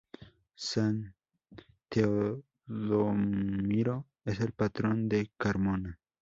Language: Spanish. San Teodomiro es el patrón de Carmona.